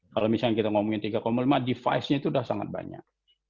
kalau misalnya kita ngomongin tiga lima device nya itu sudah sangat banyak